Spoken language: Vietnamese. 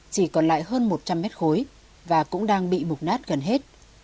chỉ còn lại hơn một trăm linh mét khối và cũng đang bị mục nát gần hết